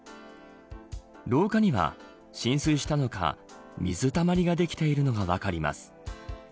廊下には、浸水したのか水たまりができているのが分かります。